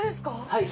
はい。